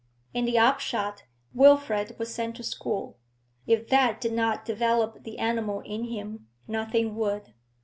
In the upshot Wilfrid was sent to school; if that did not develop the animal in him, nothing would.